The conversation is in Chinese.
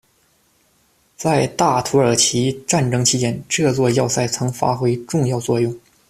在大土耳其战争期间，这座要塞曾发挥重要作用。